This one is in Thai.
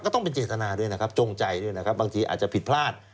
ต้องเป็นเจตนาด้วยนะครับจงใจด้วยนะครับบางทีอาจจะผิดพลาด